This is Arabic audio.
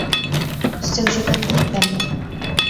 مُسْتَوْجِبًا لِلذَّمِّ